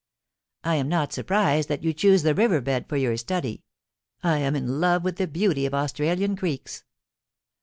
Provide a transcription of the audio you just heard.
* I am not surprised that you choose the river bed for your study. I am in love with the beauty of Australian creeks.